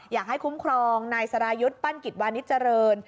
อยากให้คุ้มครองนายสรายุทธ์ปั้นกิจวานิสเจริญ